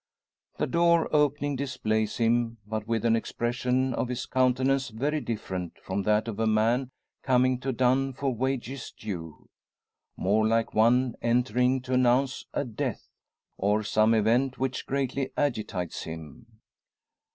The door opening, displays him; but with an expression on his countenance very different from that of a man coming to dun for wages due. More like one entering to announce a death, or some event which greatly agitates him.